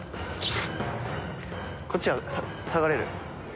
こっちは下がれる。